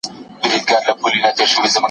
همېشه رڼې اوبه پکښي بهاندي